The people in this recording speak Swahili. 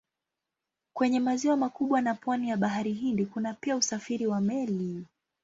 Kwenye maziwa makubwa na pwani ya Bahari Hindi kuna pia usafiri wa meli.